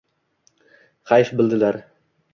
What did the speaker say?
Hayf bildilar